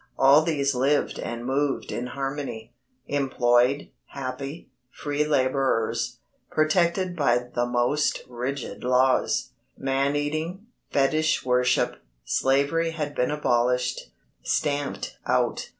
All these lived and moved in harmony, employed, happy, free labourers, protected by the most rigid laws. Man eating, fetich worship, slavery had been abolished, stamped out.